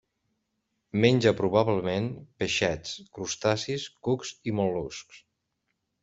Menja probablement peixets, crustacis, cucs i mol·luscs.